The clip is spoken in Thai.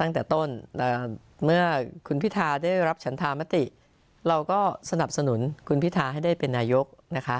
ตั้งแต่ต้นเมื่อคุณพิทาได้รับฉันธามติเราก็สนับสนุนคุณพิทาให้ได้เป็นนายกนะคะ